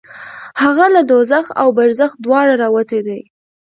هغه له دوزخ او برزخ دواړو راوتی دی.